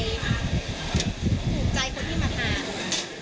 ถูกใจคนที่มาทาน